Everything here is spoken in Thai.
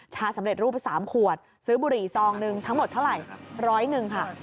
สำเร็จรูป๓ขวดซื้อบุหรี่ซองหนึ่งทั้งหมดเท่าไหร่ร้อยหนึ่งค่ะ